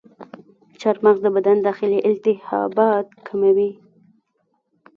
چارمغز د بدن داخلي التهابات کموي.